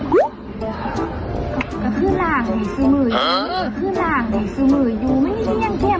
กระทึ่งร่างหายสึมืออยู่